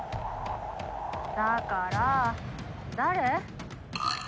だから誰？